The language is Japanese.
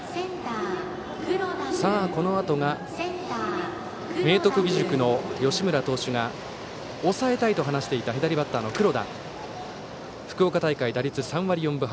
このあとが明徳義塾の吉村投手が抑えたいと話していた左バッターの黒田。福岡大会、打率３割４分８厘。